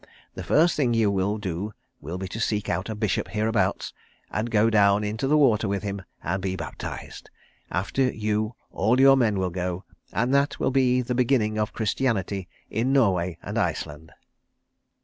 The first thing you will do will be to seek out a bishop hereabouts, and go down into the water with him and be baptized. After you all your men will go, and that will be the beginning of Christianity in Norway and Iceland."